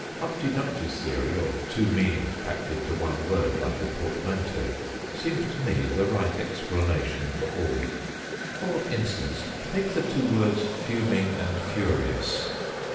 Humpty Dumpty's theory, of two meanings packed into one word like a portmanteau, seems to me the right explanation for all. For instance, take the two words "fuming" and "furious."